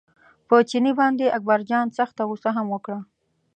په چیني باندې اکبرجان سخته غوسه هم وکړه.